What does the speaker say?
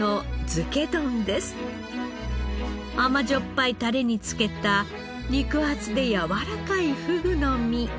あまじょっぱいタレに漬けた肉厚でやわらかいふぐの身。